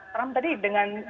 trump tadi dengan